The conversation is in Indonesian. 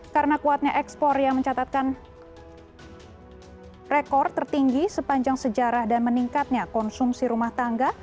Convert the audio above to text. karena kuatnya ekspor yang mencatatkan rekor tertinggi sepanjang sejarah dan meningkatnya konsumsi rumah tangga